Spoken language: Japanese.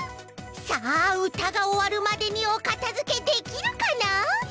さあうたがおわるまでにおかたづけできるかな？